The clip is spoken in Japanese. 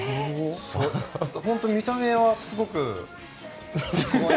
本当に見た目はすごく。